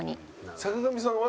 坂上さんは？